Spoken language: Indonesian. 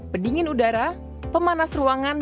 pendingin udara pemanas ruangan